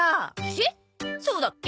えっそうだっけ？